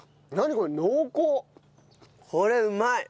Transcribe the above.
これうまい！